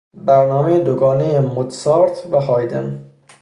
برنامهی دو گانهی موتسارت و هایدن